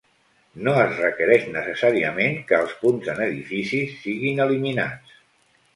No es requereix necessàriament que els punts en edificis siguin eliminats.